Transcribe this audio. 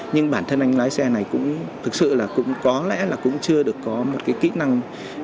nhưng bản thân anh lái xe này cũng thực sự là cũng có lẽ là cũng chưa được có một cái kỹ năng